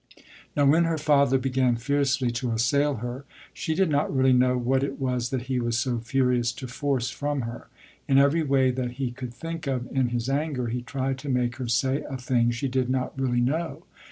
Now when her father began fiercely to assail her, she did not really know what it was that he was so furious to force from her. In every way that he could think of in his anger, he tried to make her say a thing she did not really know.